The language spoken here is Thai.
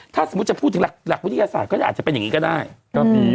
ถ้าสมมุติจะพูดถึงหลักวิทยาศาสตร์ก็อาจจะเป็นอย่างนี้ก็ได้ก็คือ